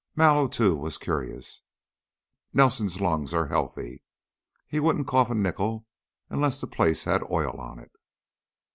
Mallow, too, was curious. "Nelson's lungs are healthy; he wouldn't cough a nickel unless the place had oil on it."